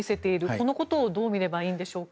このことをどうみればいいんでしょうか。